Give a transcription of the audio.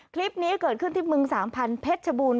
คลิปนี้เกิดขึ้นที่เมือง๓๐๐๐เพชรบูรณ์